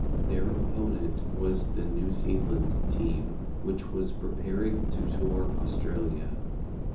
Their opponent was the New Zealand team which was preparing to tour Australia.